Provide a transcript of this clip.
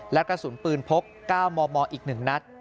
และกระสุนปืนพบก้าวมอมออีกหนึ่งนัด